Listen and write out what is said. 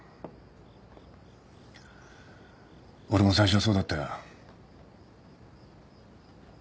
俺も最初はそうだったよ。